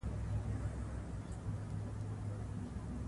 لنډمهاله حافظه همدلته جوړیږي.